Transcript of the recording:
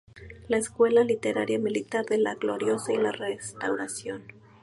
La escuela literaria militar de la Gloriosa y la Restauración".